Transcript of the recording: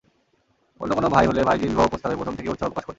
অন্য কোনো ভাই হলে ভাইঝির বিবাহপ্রস্তাবে প্রথম থেকেই উৎসাহ প্রকাশ করত।